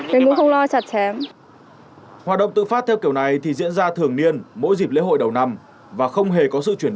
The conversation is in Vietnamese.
phủ tây hồ ngày giảm thắng riêng đông đúc du khách thập phương